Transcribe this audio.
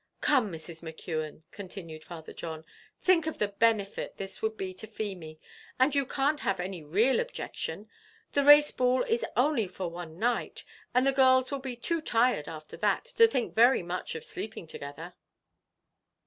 "Come, Mrs. McKeon," continued Father John, "think of the benefit this would be to Feemy; and you can't have any real objection; the race ball is only for one night, and the girls will be too tired after that, to think very much of sleeping together."